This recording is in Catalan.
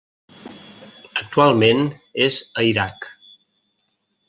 Actualment és a Iraq.